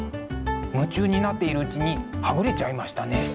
夢中になっているうちにはぐれちゃいましたね。